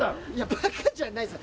バカじゃないです